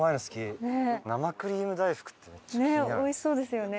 ねっおいしそうですよね。